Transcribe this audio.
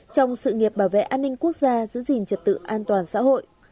trong sự nghiệp bảo vệ an ninh quốc gia giữ gìn trật tự an toàn xã hội